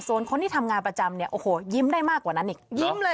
ส่วนคนที่ทำงานประจำเนี่ยโอ้โหยิ้มได้มากกว่านั้นอีกยิ้มเลย